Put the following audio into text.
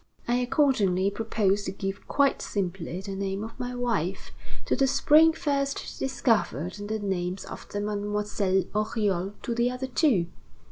"I accordingly propose to give quite simply the name of my wife to the spring first discovered and the names of the Mademoiselles Oriol to the other two.